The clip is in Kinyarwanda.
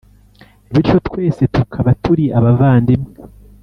bityo twese tukaba turi abavandimwe,